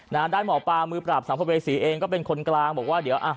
ด้านหมอปลามือปราบสัมภเวษีเองก็เป็นคนกลางบอกว่าเดี๋ยวอ่ะ